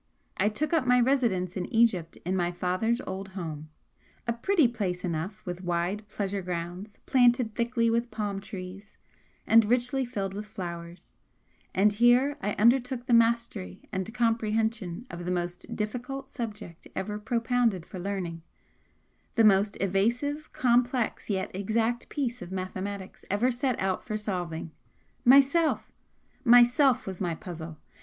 I took up my residence in Egypt in my father's old home a pretty place enough with wide pleasure grounds planted thickly with palm trees and richly filled with flowers, and here I undertook the mastery and comprehension of the most difficult subject ever propounded for learning the most evasive, complex, yet exact piece of mathematics ever set out for solving Myself! Myself was my puzzle!